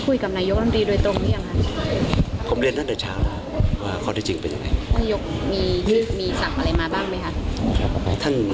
นายยกนัทรีมีสั่งอะไรมาบ้างไหมคะ